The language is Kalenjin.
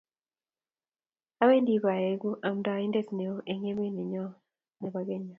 Awendi paeku amndaeindet neo eng emet nyon ab Kenya